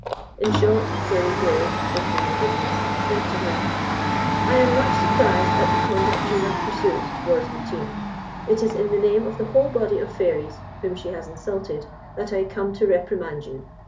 In short, Fairy Grave, opening the business, said to her, "I am much surprised at the conduct you have pursued towards Mutine. It is in the name of the whole body of Fairies, whom she has insulted, that I come to reprimand you.